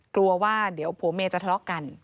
กลัวว่าเดี๋ยวผัวเมียจะทะเลาะกัน